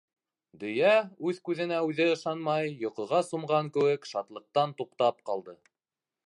Дөйә үҙ күҙенә үҙе ышанмай, йоҡоға сумған кеүек, шатлыҡтан туҡтап ҡалды.